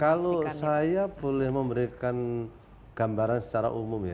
kalau saya boleh memberikan gambaran secara umum ya